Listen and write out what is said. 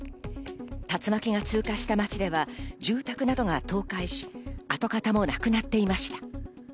竜巻が通過した街では住宅などが倒壊し、跡形もなくなっていました。